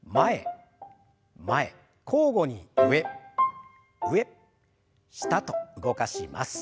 交互に上上下と動かします。